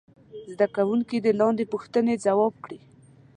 زده کوونکي دې لاندې پوښتنې ځواب کړي.